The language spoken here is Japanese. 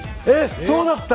そうだったんだ！